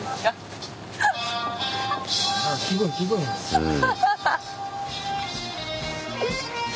うん。